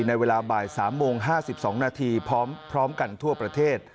ในเวลาบ่าย๓โมง๕๒นาทีพร้อมกันทั่วประเทศ